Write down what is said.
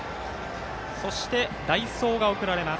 そして代走が送られます。